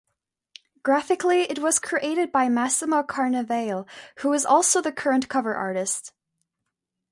Graphically, it was created by Massimo Carnevale, who is also the current cover artist.